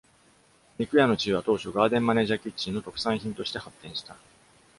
「肉屋」の地位は当初、ガーデー・マネージャー・キッチンの特産品として発展した。